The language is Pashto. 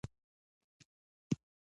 هندوکش د افغانستان د ښاري پراختیا سبب کېږي.